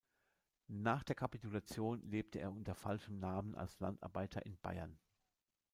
Nach der Kapitulation lebte er unter falschem Namen als Landarbeiter in Bayern.